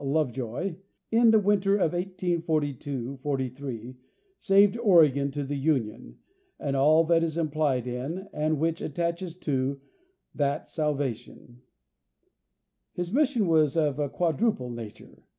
Lovejoy, in the winter of 1842 48, saved Oregon to the union, and all that is implied in, and which attaches to, that sal vation. His mission was of a quadruple nature.